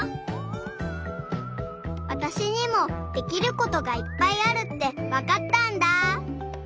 わたしにもできることがいっぱいあるってわかったんだ。